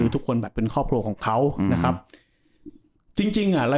ทุกคนเป็นครอบครัวของเขา